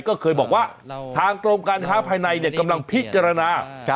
ก็เคยบอกว่าทางกรมการค้าภายในกำลังพิจารณา